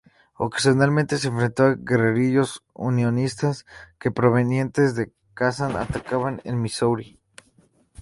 Ocasionalmente se enfrentó a guerrilleros unionistas que provenientes de Kansas atacaban en Missouri.